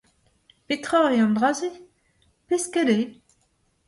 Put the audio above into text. Petra eo an dra-se ? Pesked eo.